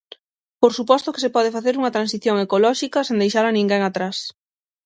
¡Por suposto que se pode facer unha transición ecolóxica sen deixar a ninguén atrás!